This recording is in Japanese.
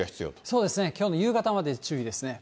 そうですね、きょうの夕方まで注意ですね。